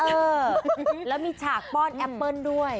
เออแล้วมีฉากป้อนแอปเปิ้ลด้วย